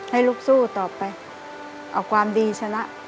ให้ลูกสู้ต่อไปเอาความดีชนะ